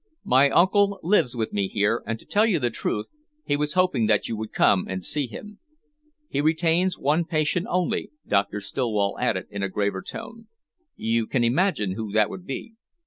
"My uncle lives with me here, and to tell you the truth he was hoping that you would come and see him. He retains one patient only," Doctor Stillwell added, in a graver tone. "You can imagine who that would be."